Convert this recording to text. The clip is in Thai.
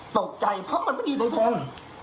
ตกใจเพราะมันไม่ได้ในแพลน